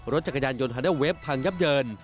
รถจักรยานยนต์ฮาเดอร์เวฟพังยับเยิน